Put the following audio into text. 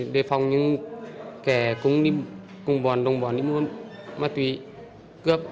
để phòng những kẻ cùng bọn đồng bọn đi mua ma túy cướp